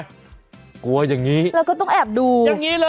กลัวอย่างนี้อย่างนี้เลยเราก็ต้องแอบดู